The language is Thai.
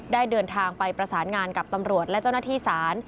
ได้เดินทางไปประสานงานกับตำรวจและเจ้าหน้าที่ศาล